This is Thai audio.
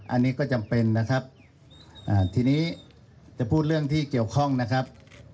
อันนี้ก็จำเป็นนะครับอ่าทีนี้จะพูดเรื่องที่เกี่ยวข้องนะครับ